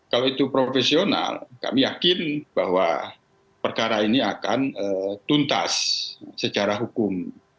kalau itu profesional kami yakin bahwa perkara ini akan tuntas secara hukum